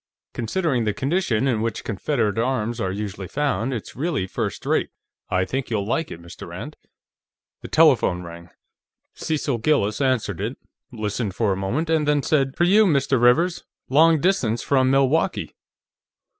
"Considering the condition in which Confederate arms are usually found, it's really first rate. I think you'll like it, Mr. Rand." The telephone rang, Cecil Gillis answered it, listened for a moment, and then said: "For you, Mr. Rivers; long distance from Milwaukee."